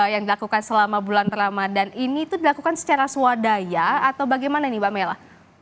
yang dilakukan selama bulan ramadhan ini itu dilakukan secara swadaya atau bagaimana nih mbak mela